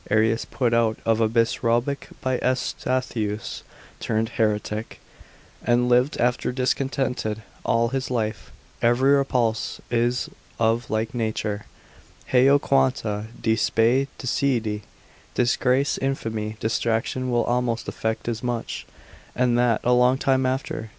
Arius put out of a bishopric by Eustathius, turned heretic, and lived after discontented all his life. Every repulse is of like nature; heu quanta de spe decidi! Disgrace, infamy, detraction, will almost effect as much, and that a long time after.